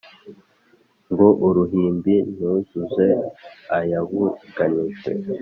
Ngo uruhimbi nuzuze ayabuganijwe